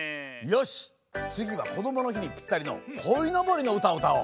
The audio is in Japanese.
よしつぎは「こどもの日」にぴったりのこいのぼりのうたをうたおう。